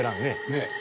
ねえ。